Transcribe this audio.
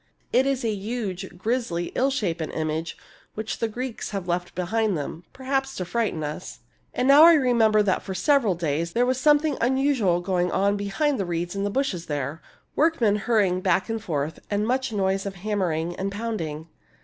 It is a huge, grizzly, ill shapen image which the Greeks have left behind them, perhaps to frighten us. And now I remember that for several days there was something unusual going on behind the reeds and bushes there — workmen hurrying back and forth, and m uch noise of hammering and pounding.